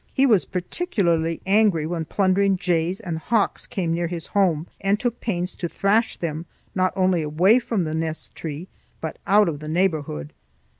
He was particularly angry when plundering jays and hawks came near his home, and took pains to thrash them not only away from the nest tree but out of the neighborhood.